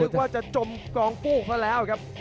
นึกว่าจะจมกองปลูกแล้วครับ